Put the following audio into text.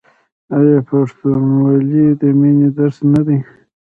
آیا پښتونولي د مینې درس نه دی؟